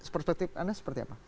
perspektif anda seperti apa